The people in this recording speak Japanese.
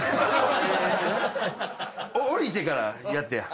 下りてからやってや。